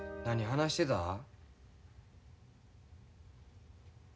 何話してた？